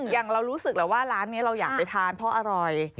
อย่างเรารู้สึกแล้วว่าร้านนี้เราอยากไปทานเพราะอร่อย